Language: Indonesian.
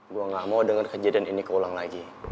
gue gak mau dengar kejadian ini keulang lagi